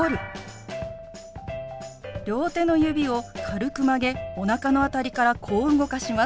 両手の指を軽く曲げおなかの辺りからこう動かします。